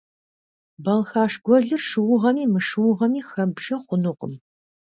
Балхаш гуэлыр шыугъэми мышыугъэми хэббжэ хъунукъым.